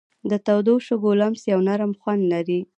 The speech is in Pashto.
د تودو شګو لمس یو نرم خوند لري.